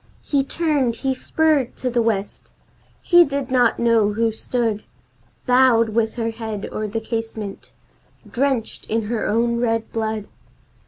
He turned, he spurred to the West; he did not know who stood Bowed, with her head o'er the casement, drenched in her own red blood!